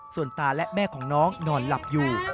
ส่วนตาและแม่ของน้องนอนหลับอยู่